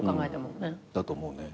だと思うね。